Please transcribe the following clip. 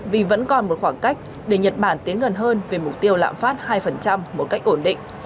vì vẫn còn một khoảng cách để nhật bản tiến gần hơn về mục tiêu lạm phát hai một cách ổn định